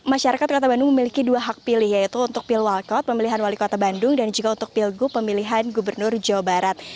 masyarakat kota bandung memiliki dua hak pilih yaitu untuk pilwalkot pemilihan wali kota bandung dan juga untuk pilgub pemilihan gubernur jawa barat